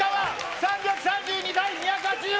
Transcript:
３３２対２８５。